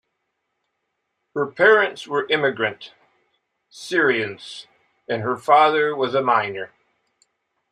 Her parents were immigrant Serbians, and her father was a miner.